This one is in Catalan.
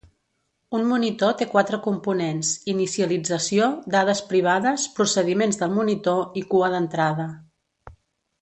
Un monitor té quatre components: inicialització, dades privades, procediments del monitor i cua d'entrada.